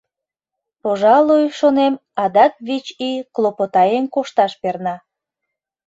Пожалуй, шонем, адак вич ий клопотаен кошташ перна.